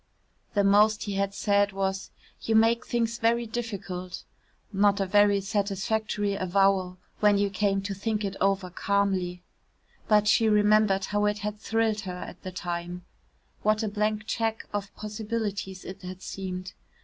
The most he had said was "you make things very difficult," not a very satisfactory avowal when you came to think it over calmly. But she remembered how it had thrilled her at the time what a blank cheque of possibilities it had seemed.